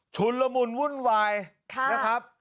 นละมุนวุ่นวายนะครับ